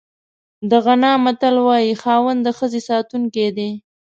د غانا متل وایي خاوند د ښځې ساتونکی دی.